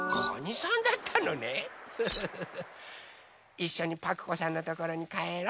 いっしょにパクこさんのところにかえろ！